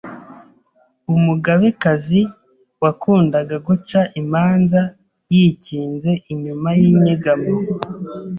u mugabekazi wakundaga guca imanza yikinze inyuma y’inyegamo